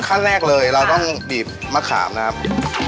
ขั้นแรกเลยเราต้องบีบมะขามนะครับ